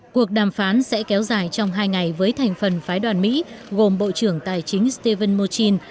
cuộc đàm phán sẽ kéo dài trong hai ngày với thành phần phái đoàn mỹ gồm bộ trưởng tài chính stephen murchin